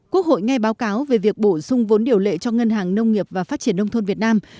quốc hội nghe báo cáo về việc bổ sung vốn điều lệ cho ngân hàng nông nghiệp và phát triển nông thôn việt nam